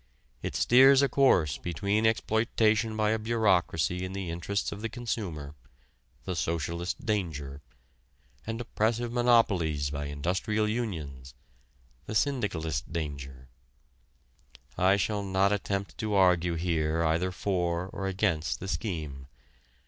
It steers a course between exploitation by a bureaucracy in the interests of the consumer the socialist danger and oppressive monopolies by industrial unions the syndicalist danger. I shall not attempt to argue here either for or against the scheme.